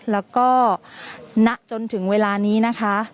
แล้วก็ณจนถึงเวลานี้นะคะ